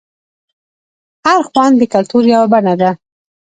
هر خوند د کلتور یوه بڼه ده.